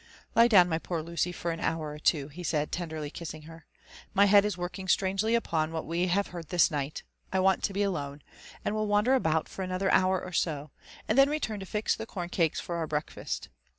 Lie down, my poor Lucy, for an hour or two," he said, tenderly kissing her: my head is working strangely upon what we have JONATHAN JEFFERSON WHITLAW. 87 heard (his flight,— J wAot tp be alone, ^nd will wander sfooutfor another hour or so^ and then return to fix the corn cakes for our l)reaklast.